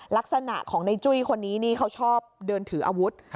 ลักษณะของในจุ้ยคนนี้นี่เขาชอบเดินถืออาวุธ